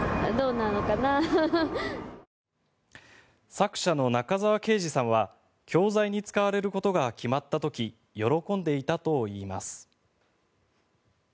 作者の中沢啓治さんは教材に使われることが決まった時喜んでいたといいます。